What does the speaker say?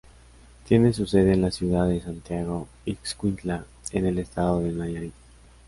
Tiene su sede en la ciudad de Santiago Ixcuintla en el estado de Nayarit.